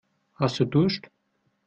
Hast du Durst?